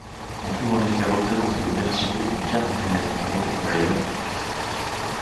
On trouve en effet représentés au verso une quarantaine d'animaux, réels ou fantastiques.